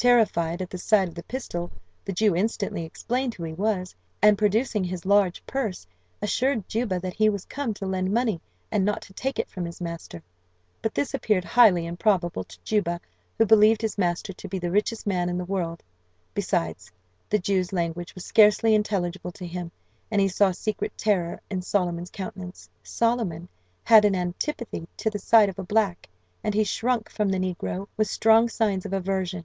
Terrified at the sight of the pistol, the Jew instantly explained who he was, and producing his large purse, assured Juba that he was come to lend money, and not to take it from his master; but this appeared highly improbable to Juba, who believed his master to be the richest man in the world; besides, the Jew's language was scarcely intelligible to him, and he saw secret terror in Solomon's countenance. Solomon had an antipathy to the sight of a black, and he shrunk from the negro with strong signs of aversion.